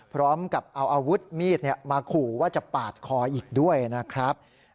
พร้อมกับเอาอาวุธมีดมาขู่ว่าจะปาดคออีกด้วยนะครับ